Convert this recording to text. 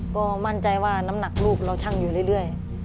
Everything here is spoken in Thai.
ก็มั่นใจว่าน้ำหนักลูกเราช่างอยู่เรื่อย